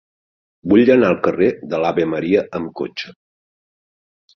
Vull anar al carrer de l'Ave Maria amb cotxe.